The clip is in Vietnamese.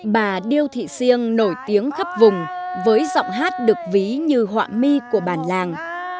bà điêu thị siêng nổi tiếng khắp vùng với giọng hát được ví như họa mi của bản làng